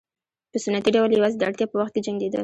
په سنتي ډول یوازې د اړتیا په وخت کې جنګېدل.